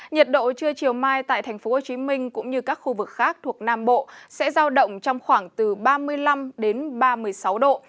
nhiệt độ trưa chiều mai tại tp hcm cũng như các khu vực khác thuộc nam bộ sẽ giao động trong khoảng từ ba mươi năm ba mươi sáu độ